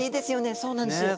そうなんです。